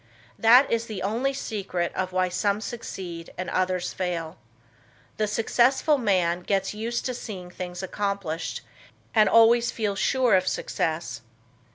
That is the only secret of why some succeed and others fail. The successful man gets used to seeing things accomplished and always feels sure of success.